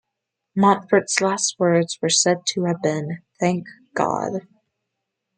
Montfort's last words were said to have been "Thank God".